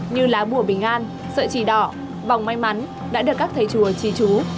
như lá bùa bình an sợi chỉ đỏ vòng may mắn đã được các thầy chùa trí chú